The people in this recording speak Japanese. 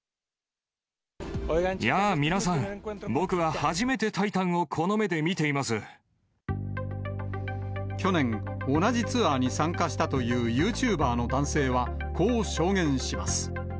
やあ、皆さん、僕は初めてタ去年、同じツアーに参加したというユーチューバーの男性は、こう証言します。